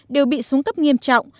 đều bị xuống cấp nghiêm trọng